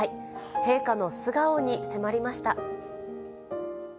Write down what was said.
陛下の素顔に迫りました。